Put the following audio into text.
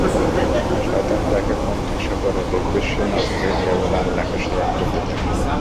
শয়তান যাকে কোণঠাসা করে, দেখবে সে নত হয়ে কেবল আল্লাহকে স্মরণ করতে থাকে।